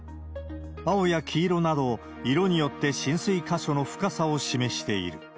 青や黄色など、色によって浸水箇所の深さを示している。